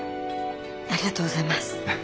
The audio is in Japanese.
ありがとうございます。